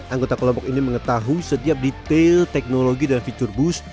anggota kelompok ini mengetahui setiap detail teknologi dan fitur bus